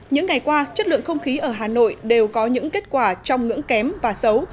những ngày qua chất lượng không khí ở hà nội đều có những kết quả trong ngưỡng kém và xấu